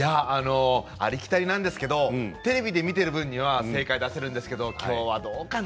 ありきたりなんですけどテレビで見ている分には正解出せるんですけどきょうはどうかな？